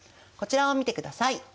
こちらを見てください。